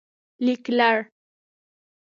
لیکلړ